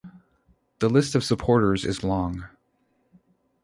The list of supporters is long.